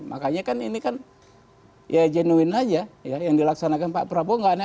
makanya kan ini kan ya jenuin aja ya yang dilaksanakan pak prabowo